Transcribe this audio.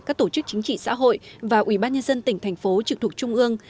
các tổ chức chính trị xã hội và ủy ban nhân dân tỉnh thành phố trực thuộc trung ương